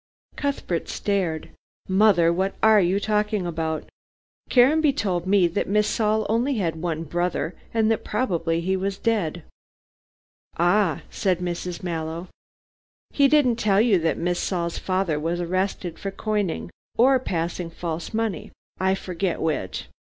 Cuthbert stared. "Mother, what are you talking about? Caranby told me that Miss Saul had only one brother, and that probably he was dead." "Ah," said Mrs. Mallow, "he didn't tell you that Miss Saul's father was arrested for coining or passing false money, I forget which.